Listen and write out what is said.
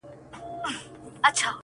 څنگ ته چي زه درغــــلـم!